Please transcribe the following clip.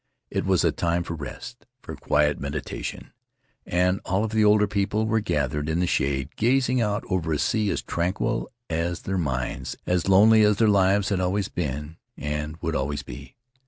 It was a time for rest, for quiet meditation, and all of the older people were gathered in the shade, gazing out over a sea as tranquil as their minds, as lonely as their lives had always been and would always be.